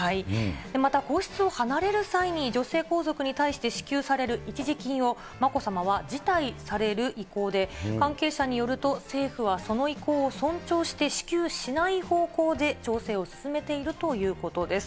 また皇室を離れる際に女性皇族に対して支給される一時金を、まこさまは辞退される意向で、関係者によると、政府はその意向を尊重して支給しない方向で調整を進めているということです。